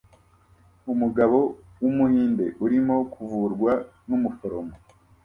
Umugabo wumuhinde urimo kuvurwa numuforomo